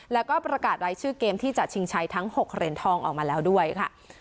แล้วก็ประกาศรายชื่อเกมที่จะชิงชัยทั้ง๖เหรียญทองออกมาแล้วด้วยค่ะ